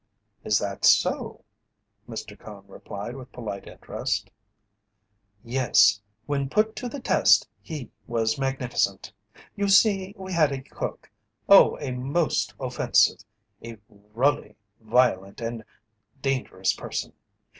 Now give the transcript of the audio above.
"Is that so?" Mr. Cone replied with polite interest. "Yes, when put to the test he was magnificent. You see, we had a cook, oh, a most offensive a rully violent and dangerous person.